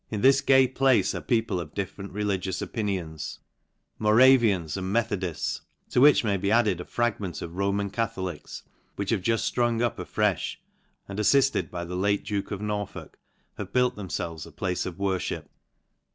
* la this gay place are people of different religious opinions, Mora' inans and MttbcdiJ};, to which may be added a fragment of Roman Cacbc.'ia, which have juft fprung up afrefh, and, aflilted by the late duke of Norfylkj have built themfelves a place of worfhip.